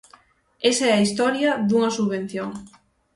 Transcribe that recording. Esa é a historia dunha subvención.